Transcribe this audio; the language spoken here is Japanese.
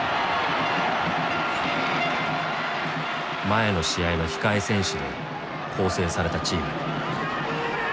前の試合の控え選手で構成されたチーム。